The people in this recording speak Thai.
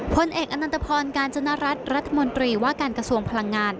พลเอกอนันตพรกาญจนรัฐรัฐมนตรีว่าการกระทรวงพลังงาน